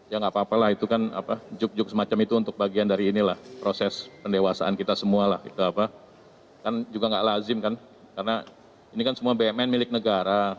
ini juga tidak lazim karena ini kan semua bnm milik negara